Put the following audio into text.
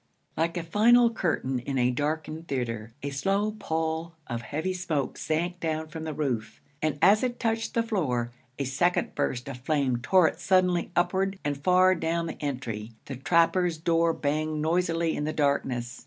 Like a final curtain in a darkened theatre, a slow pall of heavy smoke sank down from the roof, and as it touched the floor, a second burst of flame tore it suddenly upward, and far down the entry, the trappers' door banged noisily in the darkness.